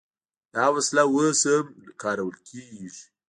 دا وسله اوس هم کارول کیږي.